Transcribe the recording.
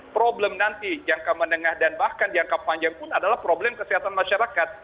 problem nanti jangka menengah dan bahkan jangka panjang pun adalah problem kesehatan masyarakat